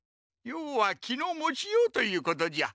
ようは気の持ちようということじゃ。